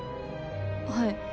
はい。